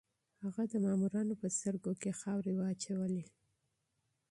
هغه د مامورانو په سترګو کې خاورې واچولې.